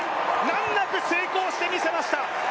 難なく成功してみせました！